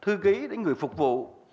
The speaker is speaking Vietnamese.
thư ký đến người phục vụ